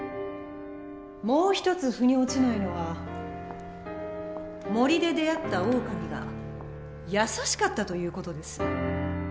もう一つ腑に落ちないのは森で出会ったオオカミが優しかったという事です。